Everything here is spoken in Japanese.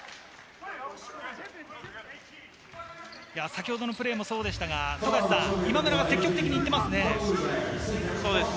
先程のプレーもそうでしたが、今村が積極的に行ってますね。